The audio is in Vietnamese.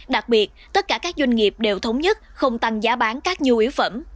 đặc biệt tất cả các doanh nghiệp đều thống nhất không tăng giá bán các nhu yếu phẩm